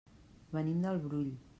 Venim del Brull.